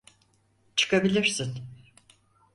Çıkabilirsin.